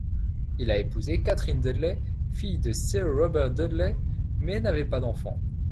Il a épousé Katherine Dudley, fille de Sir Robert Dudley, mais n'avait pas d'enfants.